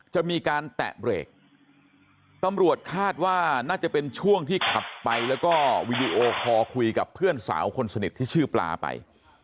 จะมีการแตะเบรกตำรวจคาดว่าน่าจะเป็นช่วงที่ขับไปแล้วก็วีดีโอคอลคุยกับเพื่อนสาวคนสนิทที่ชื่อปลาไป